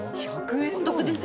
お得です。